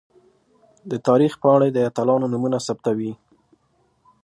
د تاریخ پاڼې د اتلانو نومونه ثبتوي.